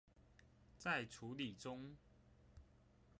在處理中